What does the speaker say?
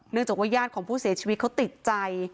จากว่าญาติของผู้เสียชีวิตเขาติดใจ